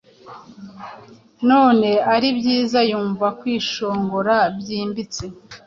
none aribyiza yumva kwishongora byimbitse,